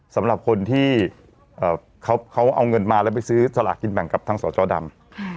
สำหรับคนที่เขาเอาเงินมาแล้วไปซื้อสลากกินแบ่งกับทางสจดำ